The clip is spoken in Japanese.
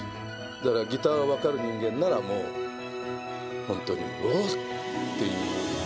だからギターが分かる人間なら、もう、本当に、おーっていう。